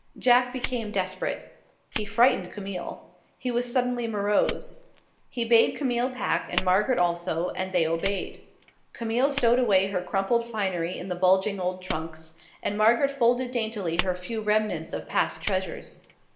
Jack became desperate. He frightened Camille. He was suddenly morose. He bade Camille pack, and Margaret also, and they obeyed. Camille stowed away her crumpled finery in the bulging old trunks, and Margaret folded daintily her few remnants of past treasures.